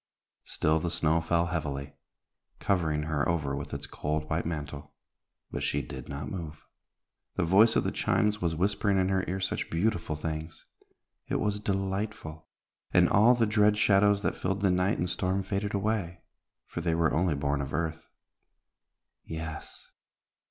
Still the snow fell heavily, covering her over with its cold white mantle, but she did not move. The voice of the chimes was whispering in her ear such beautiful things. It was delightful, and all the dread shadows that filled the night and storm faded away, for they were only born of earth. Yes!